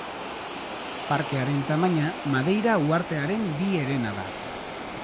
Parkearen tamaina Madeira uhartearen bi herena da.